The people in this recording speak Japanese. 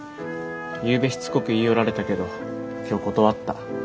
ゆうべしつこく言い寄られたけど今日断った。